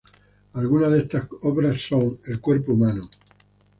Algunas de estas obras son: "El cuerpo humano.